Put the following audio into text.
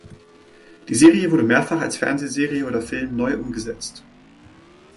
Die Serie wurde mehrfach als Fernsehserie oder Film neu umgesetzt.